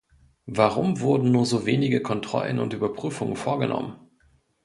Warum wurden nur so wenige Kontrollen und Überprüfungen vorgenommen?